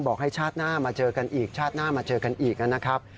บอกให้ชาติหน้ามาเจอกันอีกชาติหน้ามาเจอกันอีกนะครับ